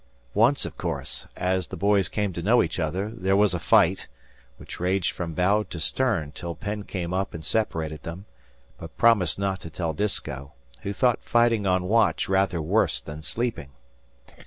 Once, of course, as the boys came to know each other, there was a fight, which raged from bow to stern till Penn came up and separated them, but promised not to tell Disko, who thought fighting on watch rather worse than sleeping.